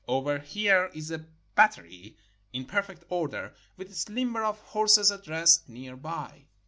Over here is a bat tery in perfect order, with its limber of horses at rest near by.